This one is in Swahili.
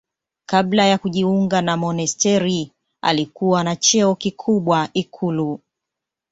Kabla ya kujiunga na monasteri alikuwa na cheo kikubwa ikulu.